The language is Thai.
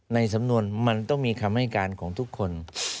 ในสำนวนมันต้องมีคำให้การของทุกคน